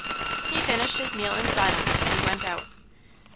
He finished his meal in silence and went out.